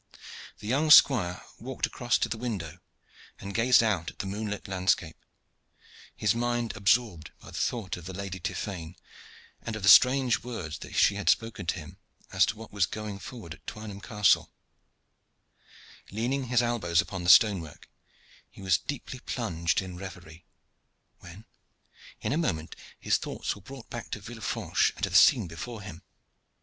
The young squire walked across to the window and gazed out at the moonlit landscape, his mind absorbed by the thought of the Lady Tiphaine, and of the strange words that she had spoken as to what was going forward at Castle Twynham. Leaning his elbows upon the stonework, he was deeply plunged in reverie, when in a moment his thoughts were brought back to Villefranche and to the scene before him.